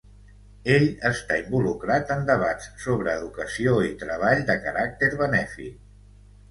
Ell està involucrat en debats sobre educació i treball de caràcter benèfic.